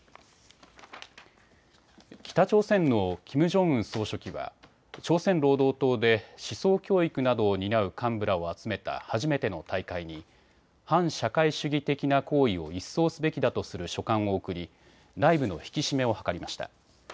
北朝鮮のキム・ジョンウン総書記は朝鮮労働党で思想教育などを担う幹部らを集めた初めての大会に反社会主義的な行為を一掃すべきだとする書簡を送り内部の引き締めを図りました。